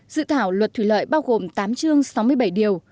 dự thảo luật thủy lợi bao gồm tám chương sáu mươi bảy điều